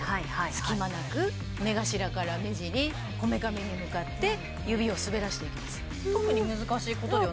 隙間なく目頭から目尻こめかみに向かって指を滑らしていきます。